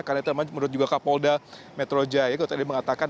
karena itu memang menurut juga kapolda metro jaya yang tadi mengatakan